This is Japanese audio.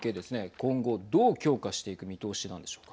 今後、どう強化していく見通しなんでしょうか。